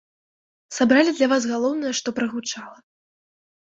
Сабралі для вас галоўнае, што прагучала.